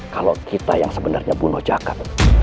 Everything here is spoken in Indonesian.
kalo kita yang sebenernya bunuh jagat